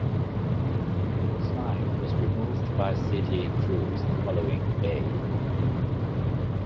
The sign was removed by city crews the following day.